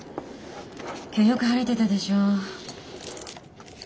今日よく晴れてたでしょう。